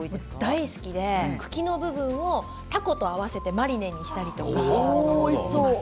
大好きで、茎の部分をたこと合わせてマリネにしたりしています。